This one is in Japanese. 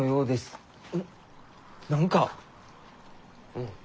うん。